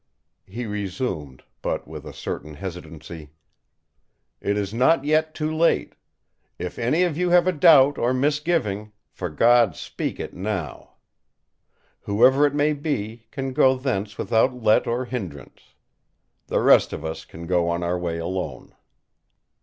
He resumed, but with a certain hesitancy: "It is not yet too late! If any of you have a doubt or misgiving, for God's sake speak it now! Whoever it may be, can go hence without let or hindrance. The rest of us can go on our way alone!"